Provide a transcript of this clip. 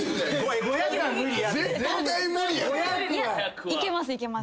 いやいけますいけます。